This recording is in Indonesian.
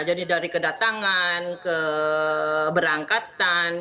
jadi dari kedatangan ke berangkatan